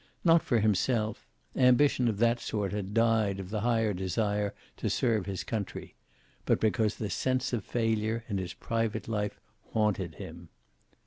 Not for himself; ambition of that sort had died of the higher desire to serve his country. But because the sense of failure in his private life haunted him.